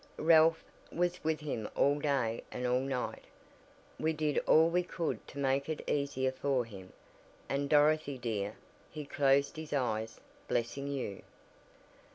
Ralph was with him all day and all night. We did all we could to make it easier for him, and Dorothy dear, he closed his eyes blessing you!"